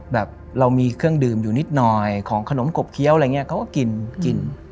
แบบเรามีเครื่องดื่มอยู่นิดหน่อยของขนมกบเคี้ยวอะไรอย่างนี้เขาก็กินกิน